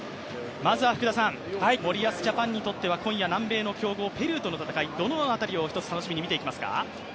まずは福田さん、森保ジャパンにとっては今夜、南米の強豪ペルーとの戦い、どの辺りを一つ楽しみに見ていきますか？